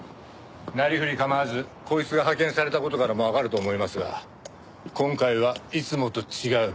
なりふり構わずこいつが派遣された事からもわかると思いますが今回はいつもと違う。